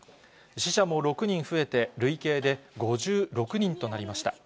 死者も６人増えて、累計で５６人となりました。